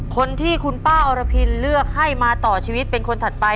คนที่คุณป้าอรพินเลือกให้มาต่อชีวิตเป็นคนถัดไป